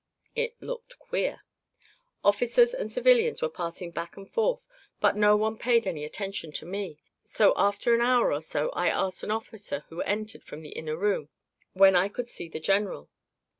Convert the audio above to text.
It looked queer. Officers and civilians were passing back and forth but no one paid any attention to me; so after an hour or so I asked an officer who entered from an inner room, when I could see the general.